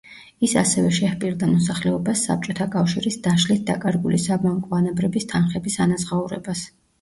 ის ასევე შეჰპირდა მოსახლეობას საბჭოთა კავშირის დაშლით დაკარგული საბანკო ანაბრების თანხების ანაზღაურებას.